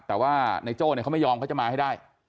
แต่ว่าในโจ้เขาไม่ยอมเขาจะมาให้ได้